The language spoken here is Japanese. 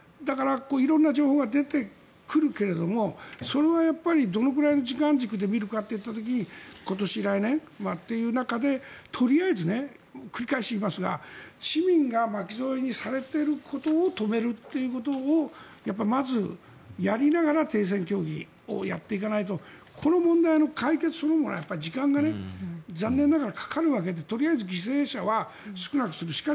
だから色々な情報が出てくるけれどもそれはやっぱりどのくらいの時間軸で見るかといった時に今年、来年という中でとりあえず繰り返し言いますが市民が巻き添えにされていることを止めるっていうことをやっぱりまず、やりながら停戦協議をやっていかないとこの問題の解決そのものは時間がね残念ながらかかるわけでとりあえず犠牲者は少なくする。